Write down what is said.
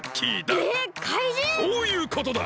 そういうことだ！